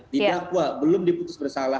didakwa belum diputus bersalah